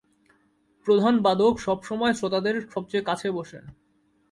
প্রধান বাদক সবসময় শ্রোতাদের সবচেয়ে কাছে বসেন।